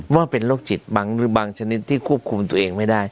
ว่าเป็นโรคจิตบางหรือบางชนิดที่ควบคุมตัวเองไม่ได้